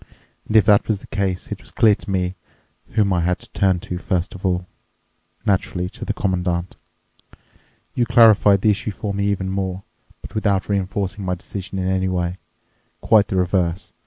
And if that was the case, it was clear to me whom I had to turn to first of all—naturally, to the Commandant. You clarified the issue for me even more, but without reinforcing my decision in any way—quite the reverse.